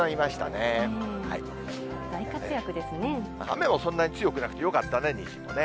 雨もそんなに強くなくてよかったね、にじモね。